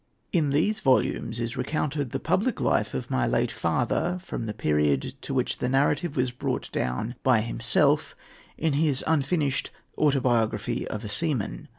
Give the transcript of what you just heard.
In these Volumes is recounted the public life of my late father from the period to which the narrative was brought down by himself in his unfinished "Autobiography of a Seaman."